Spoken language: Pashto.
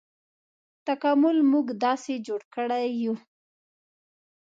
تکامل موږ داسې جوړ کړي یوو.